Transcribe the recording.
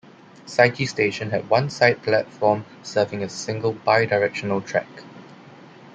Saichi Station had one side platform serving a single bi-directional track.